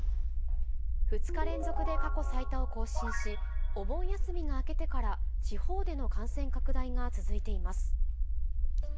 ２日連続で過去最多を更新し、お盆休みが明けてから地方での感染拡大が続いています。